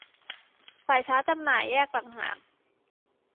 สายชาร์จจำหน่ายแยกต่างหาก